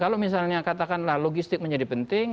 kalau misalnya katakanlah logistik menjadi penting